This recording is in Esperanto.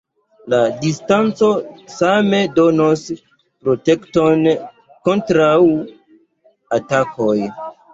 La distanco same donos protekton kontraŭ atakoj.